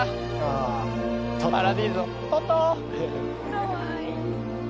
かわいい。